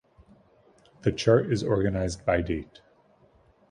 The chart is organized by date.